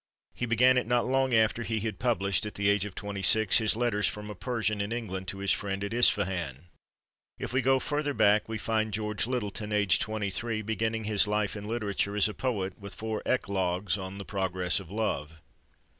He began it not long after he had published, at the age of twenty six, his "Letters from a Persian in England to his Friend at Ispahan." If we go farther back we find George Lyttelton, aged twenty three, beginning his life in literature as a poet, with four eclogues on "The Progress of Love."